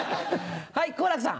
はい好楽さん。